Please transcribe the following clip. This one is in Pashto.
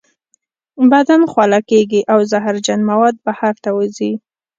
بدن خوله کیږي او زهرجن مواد بهر ته وځي.